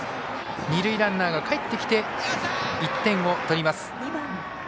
二塁ランナーがかえってきて１点を取ります。